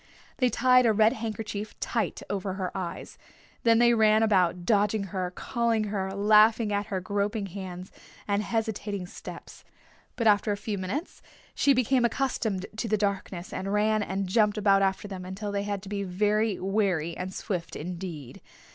They tied a red handkerchief tight over her eyes. Then they ran about, dodging her, calling her, laughing at her groping hands and hesitating steps. But after a few minutes she became accustomed to the darkness and ran and jumped about after them until they had to be very wary and swift indeed.